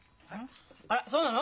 あらそうなの？